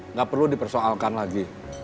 nggak perlu dipersoalkan lagi